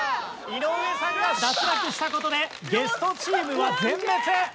井上さんが脱落した事でゲストチームは全滅！